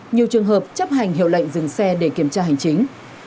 nhiều trường hợp chấp hành hiệu lệnh dừng xe để kiểm tra hành chính